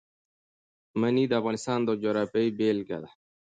منی د افغانستان د جغرافیې بېلګه ده.